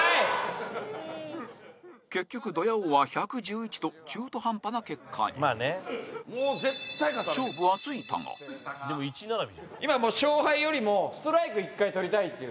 結局、ドヤ王は１１１と中途半端な結果に今、もう、勝敗よりもストライク１回取りたいっていう。